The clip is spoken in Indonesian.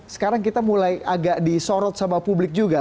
sekarang kita mulai agak disorot sama publik juga